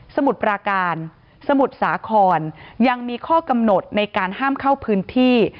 มุดปราการสมุทรสาครยังมีข้อกำหนดในการห้ามเข้าพื้นที่